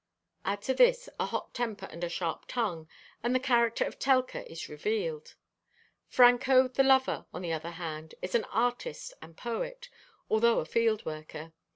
Add to this a hot temper and a sharp tongue, and the character of Telka is revealed. Franco, the lover, on the other hand, is an artist and poet, although a field worker.